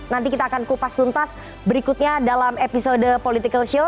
nanti kita akan kupas tuntas berikutnya dalam episode political show